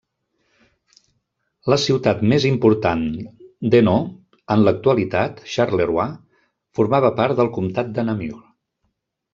La ciutat més important d'Hainaut en l'actualitat, Charleroi, formava part del comtat de Namur.